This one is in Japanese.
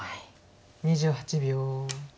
２８秒。